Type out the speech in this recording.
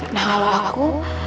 nah kalau aku